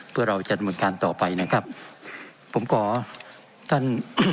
เพื่อเราจะดำเนินการต่อไปนะครับผมขอท่าน